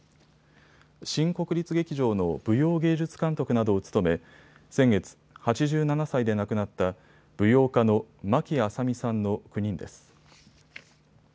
新国立劇場の舞踊芸術監督などを務め、先月、８７歳で亡くなった舞踊家の牧阿佐美さんの９人です。